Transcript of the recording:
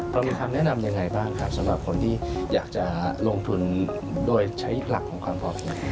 เรามีคำแนะนำยังไงบ้างครับสำหรับคนที่อยากจะลงทุนโดยใช้หลักของความเหมาะสม